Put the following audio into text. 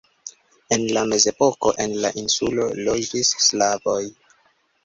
En la Mezepoko en la insulo loĝis slavoj.